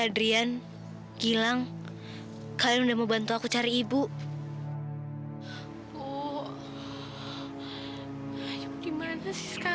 adrian gila kau berhutang apa apaan sih